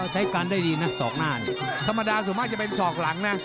ใช้การได้ดีนะศอกหน้านี่ธรรมดาส่วนมากจะเป็นศอกหลังนะ